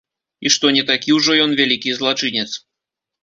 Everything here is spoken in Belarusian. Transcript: І што не такі ўжо ён вялікі злачынец.